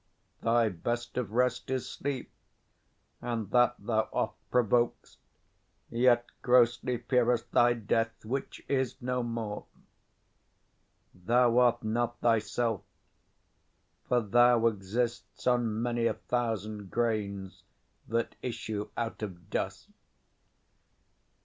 Thy best of rest is sleep, And that thou oft provokest; yet grossly fear'st Thy death, which is no more. Thou art not thyself; For thou exist'st on many a thousand grains 20 That issue out of dust.